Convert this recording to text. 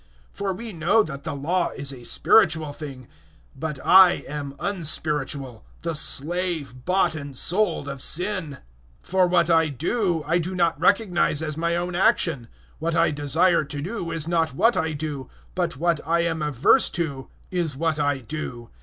007:014 For we know that the Law is a spiritual thing; but I am unspiritual the slave, bought and sold, of sin. 007:015 For what I do, I do not recognize as my own action. What I desire to do is not what I do, but what I am averse to is what I do.